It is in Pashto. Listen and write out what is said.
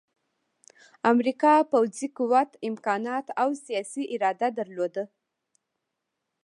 امریکا پوځي قوت، امکانات او سیاسي اراده درلوده